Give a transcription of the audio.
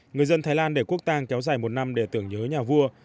người dân thái lan để quốc tàng kéo dài một năm để tưởng nhớ nhà vua